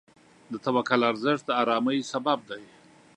د توکل ارزښت د آرامۍ سبب دی.